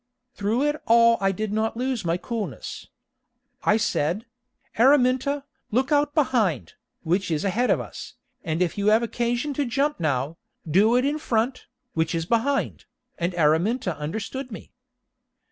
Through it all I did not lose my coolness. I said: "Araminta, look out behind, which is ahead of us, and if you have occasion to jump now, do it in front, which is behind," and Araminta understood me.